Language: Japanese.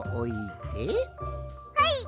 はい！